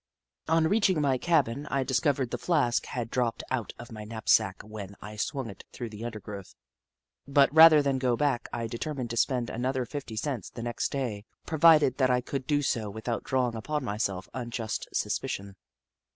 On reaching my cabin I discovered that the flask had dropped out of my knapsack when I swung it through the undergrowth, but, rather than go back, I determined to spend another fifty cents the next day, provided that I could do so without drawing upon myself unjust suspicion.